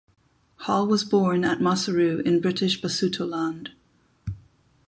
Hall was born at Maseru in British Basutoland.